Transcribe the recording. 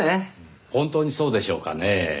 本当にそうでしょうかねぇ。